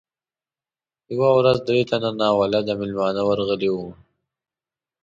یوه ورځ درې تنه ناولده میلمانه ورغلي وو.